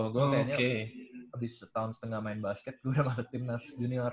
gua kayaknya abis tahun setengah main basket gua udah masuk tim nas junior